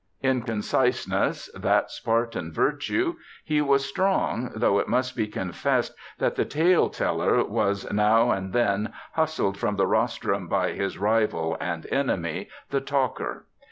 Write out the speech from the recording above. In conciseness, that Spartan virtue, he was strong, though it must be confessed that the tale teller was now and then hustled from the rostrum by his rival and enemy, the talker.